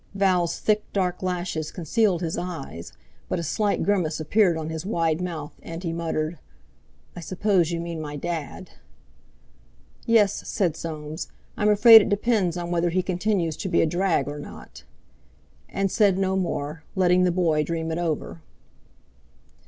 Val's thick dark lashes concealed his eyes, but a slight grimace appeared on his wide mouth, and he muttered: "I suppose you mean my Dad!" "Yes," said Soames; "I'm afraid it depends on whether he continues to be a drag or not;" and said no more, letting the boy dream it over.